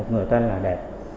một người tên là đẹp